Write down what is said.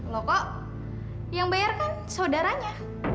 loh kok yang bayar kan saudaranya